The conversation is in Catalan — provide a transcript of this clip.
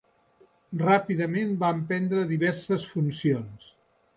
Ràpidament van prendre diverses funcions.